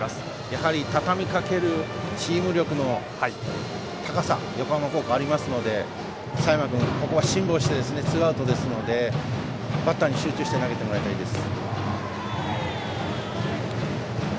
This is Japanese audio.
やはりたたみかけるチーム力の高さ横浜高校ありますので佐山君、ここは辛抱してツーアウトですのでバッターに集中して投げてもらいたいです。